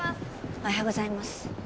おはようございます